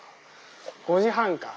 ５時半か。